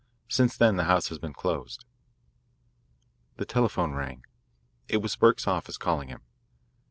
Since then the house has been closed." The telephone rang. It was Burke's office calling him.